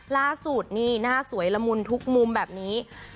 ล่าสุดนี่หน้าสวยละมุนทุกมุมแบบนี้